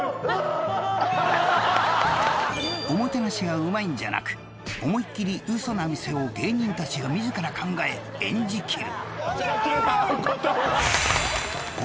［おもてなしがうまいんじゃなく思いっきりウソな店を芸人たちが自ら考え演じきる］